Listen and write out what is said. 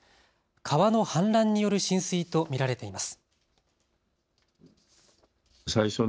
川の氾濫による浸水と見られています。